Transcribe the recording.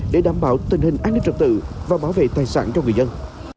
để đảm bảo tình hình an ninh trật tự và bảo vệ tài sản cho người dân